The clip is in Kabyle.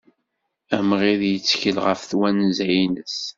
Amɣid yettkel ɣef twenza-nnes.